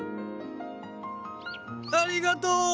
ありがとう！